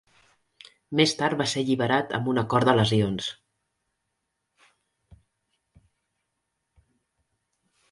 Més tard va ser alliberat amb un acord de lesions.